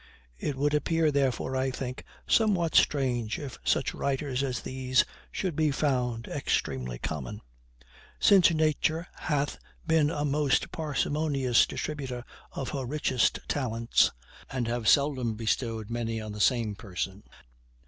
It would appear, therefore, I think, somewhat strange if such writers as these should be found extremely common; since nature hath been a most parsimonious distributor of her richest talents, and hath seldom bestowed many on the same person.